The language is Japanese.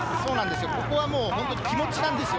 ここは気持ちなんですよ。